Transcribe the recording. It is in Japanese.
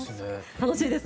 楽しいです。